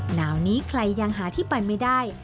หนาวนี้ใครยังหาที่ไปไม่ได้